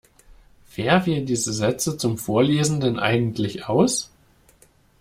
Wer wählt diese Sätze zum Vorlesen denn eigentlich aus?